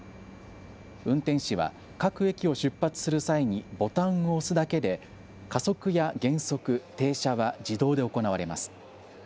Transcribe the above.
運転士は各駅を出発する際にボタンを押すだけで加速や減速、停車は自動で行われます。